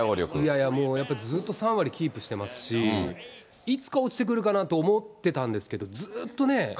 いやいや、もうずっと３割キープしてますし、いつか落ちてくるかなと思ってたんですけど、ずっとね。